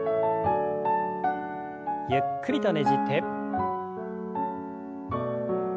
ゆっくりとねじって。